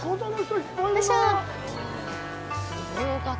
よいしょ。